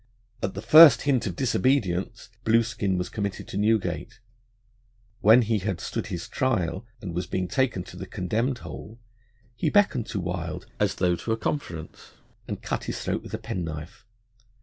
At the first hint of disobedience Blueskin was committed to Newgate. When he had stood his trial, and was being taken to the Condemned Hole, he beckoned to Wild as though to a conference, and cut his throat with a penknife.